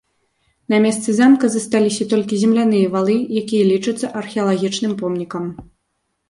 На месцы замка засталіся толькі земляныя валы, якія лічацца археалагічным помнікам.